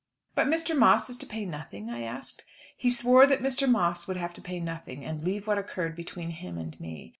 "But Mr. Moss is to pay nothing?" I asked. He swore that Mr. Moss would have to pay nothing, and leave what occurred between him and me.